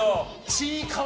「ちいかわ」